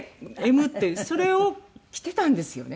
「Ｍ」っていうそれを着てたんですよね。